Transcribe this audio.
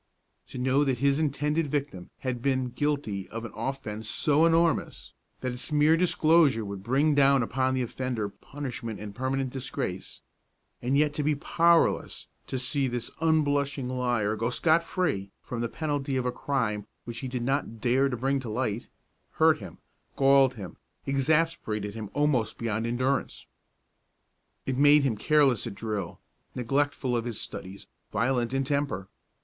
To know that his intended victim had been guilty of an offence so enormous that its mere disclosure would bring down upon the offender punishment and permanent disgrace, and yet to be powerless, to see this unblushing liar go scot free from the penalty of a crime which he did not dare to bring to light, hurt him, galled him, exasperated him almost beyond endurance. It made him careless at drill, neglectful of his studies, violent in temper.